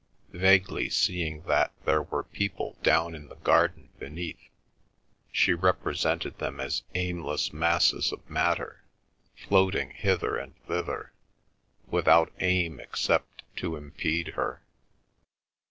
Vaguely seeing that there were people down in the garden beneath she represented them as aimless masses of matter, floating hither and thither, without aim except to impede her.